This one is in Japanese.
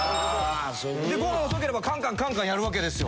でご飯遅ければカンカンカンカンやるわけですよ。